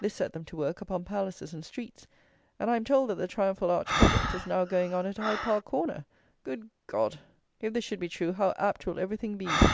This set them to work upon palaces and streets; and I am told that the triumphal arch project is now going on at Hyde Park Corner! Good God! If this should be true, how apt will everything be!